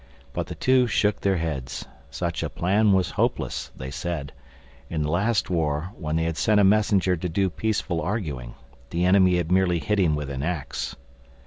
But the two shook their heads. Such a plan was hopeless, they said. In the last war when they had sent a messenger to do peaceful arguing, the enemy had merely hit him with an ax.